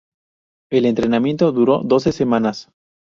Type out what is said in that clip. El entrenamiento duró doce semanas.